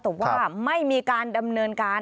แต่ว่าไม่มีการดำเนินการ